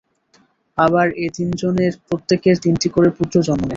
আবার এ তিনজনের প্রত্যেকের তিনটি করে পুত্র জন্ম নেয়।